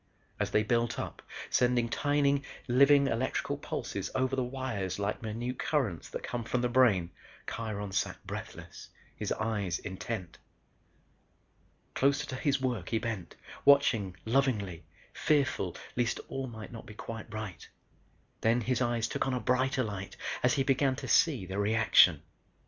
As they built up, sending tiny living electrical impulses over the wires like minute currents that come from the brain, Kiron sat breathless; his eyes intent. Closer to his work he bent, watching lovingly, fearful least all might not be quite right. Then his eyes took on a brighter light as he began to see the reaction.